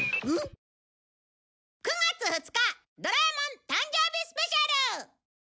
９月２日『ドラえもん』誕生日スペシャル！